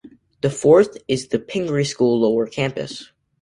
The fourth is The Pingry School Lower Campus.